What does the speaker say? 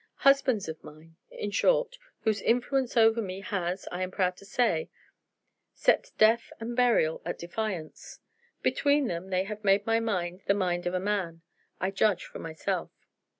Husbands of mine, in short, whose influence over me has, I am proud to say, set death and burial at defiance. Between them they have made my mind the mind of a man. I judge for myself.